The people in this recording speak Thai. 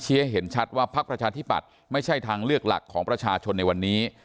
ให้เห็นชัดว่าพักประชาธิปัตย์ไม่ใช่ทางเลือกหลักของประชาชนในวันนี้